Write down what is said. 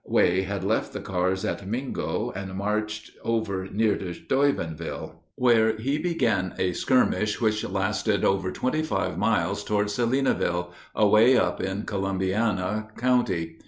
Way had left the cars at Mingo and marched over near to Steubenville, where he began a skirmish which lasted over twenty five miles toward Salineville, away up in Columbiana County.